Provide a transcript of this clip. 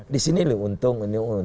disini loh untung